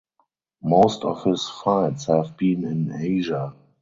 Most of his fights have been in Asia.